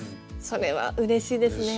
それはうれしいですね。